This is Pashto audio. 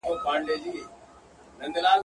پر سينه باندي يې ايښي وه لاسونه.